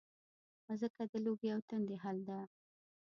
مځکه د لوږې او تندې حل ده.